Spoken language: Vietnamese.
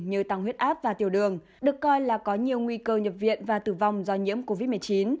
như tăng huyết áp và tiểu đường được coi là có nhiều nguy cơ nhập viện và tử vong do nhiễm covid một mươi chín